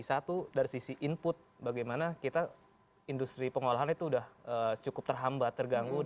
satu dari sisi input bagaimana kita industri pengolahan itu sudah cukup terhambat terganggu